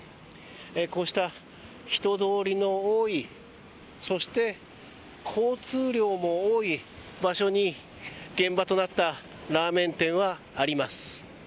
こうした、人通りの多いそして交通量も多い場所に現場となったラーメン店はあります。